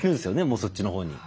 もうそっちのほうに。